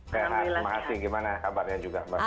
sehat maafin gimana kabarnya juga